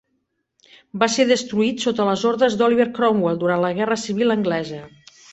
Va ser destruït sota les ordres d'Oliver Cromwell durant la Guerra Civil anglesa.